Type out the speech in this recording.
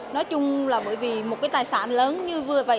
nói chung là bởi vì một cái tài sản lớn như vừa vậy